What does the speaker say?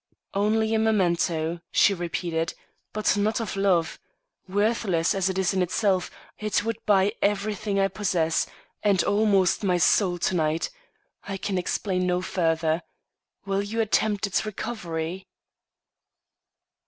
"Only a memento," she repeated; "but not of love. Worthless as it is in itself, it would buy everything I possess, and almost my soul to night. I can explain no further. Will you attempt its recovery?"